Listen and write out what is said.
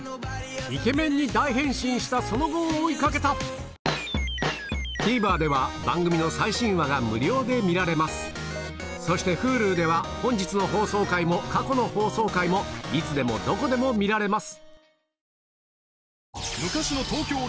イケメンに大変身したその後を追い掛けたＴＶｅｒでは番組の最新話が無料で見られますそしてＨｕｌｕでは本日の放送回も過去の放送回もいつでもどこでも見られます